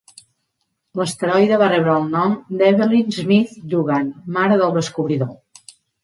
L'asteroide va rebre el nom d'Evelyn Smith Dugan, mare del descobridor.